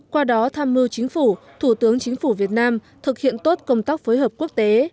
qua đó tham mưu chính phủ thủ tướng chính phủ việt nam thực hiện tốt công tác phối hợp quốc tế